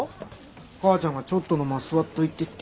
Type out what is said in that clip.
母ちゃんがちょっとの間座っといてって。